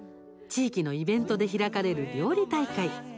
地域のイベントで開かれる料理大会。